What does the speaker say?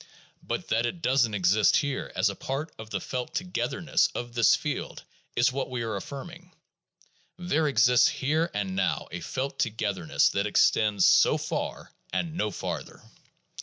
But that it doesn't exist here, as a part of the felt togetherness of this field, is what we are affirming. There exists here and now a felt togetherness that extends so far and no farther.